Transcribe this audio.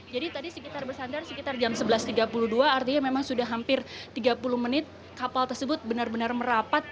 jadi tadi sekitar bersandar sekitar jam sebelas tiga puluh dua artinya memang sudah hampir tiga puluh menit kapal tersebut benar benar merapat